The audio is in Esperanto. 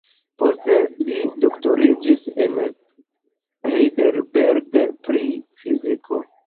Poste li doktoriĝis en Heidelberg pri fiziko.